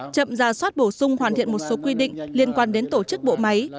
chậm ra soát bổ sung hoàn thiện một số quy định liên quan đến tổ chức bộ máy